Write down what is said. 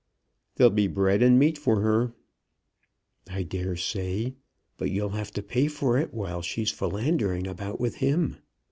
"There'll be bread and meat for her." "I dare say. But you'll have to pay for it, while she's philandering about with him!